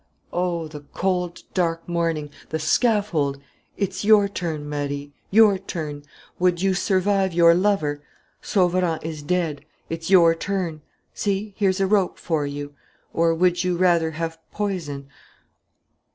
Oh, the cold, dark morning the scaffold! It's your turn, Marie, your turn! Would you survive your lover? Sauverand is dead: it's your turn. See, here's a rope for you. Or would you rather have poison?